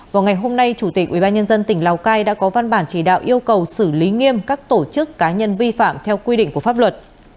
vào ngày hôm nay chủ tịch ubnd tỉnh lào cai đã có văn bản chỉ đạo yêu cầu xử lý nghiêm các tổ chức cá nhân vi phạm theo quy định của pháp luật